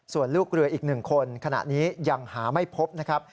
ส่วนลูกเรืออีก๑คนขณะนี้ยังหาไม่พบนะครับ